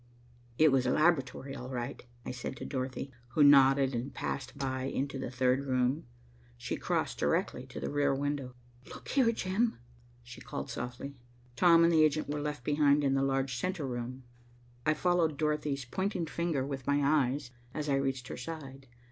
"It was a laboratory, all right," I said to Dorothy, who nodded and passed by into the third room. She crossed directly to the rear window. "Look here, Jim," she called softly. Tom and the agent were left behind in the large centre room. I followed Dorothy's pointing finger with my eyes, as I reached her side.